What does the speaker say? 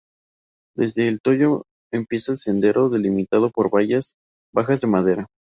Desde El Toyo empieza un sendero delimitado por vallas bajas de madera.